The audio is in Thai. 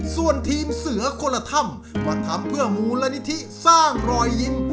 ส่วนทีมเสือกละท่ำกว่าทำเพื่อหมู่ละนิทิสร้างรอยยิ้ม